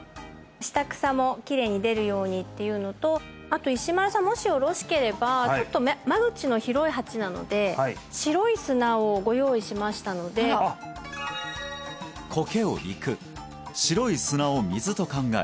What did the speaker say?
下草もきれいに出るようにっていうのとあと石丸さんもしよろしければちょっと間口の広い鉢なので白い砂をご用意しましたので苔を陸白い砂を水と考え